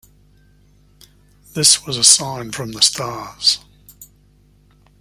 This was an sign from the stars.